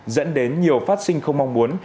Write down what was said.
dẫn đến nhiều phát sinh không mong muốn